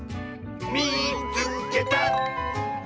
「みいつけた！」。